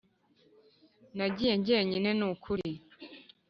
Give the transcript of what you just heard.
nagiye jyenyine nukuri